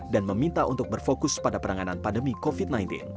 dan meminta untuk berfokus pada peranganan pandemi covid sembilan belas